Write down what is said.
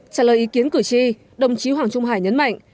trả lời ý kiến cử tri đồng chí hoàng trung hải nhấn mạnh